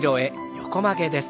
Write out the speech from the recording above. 横曲げです。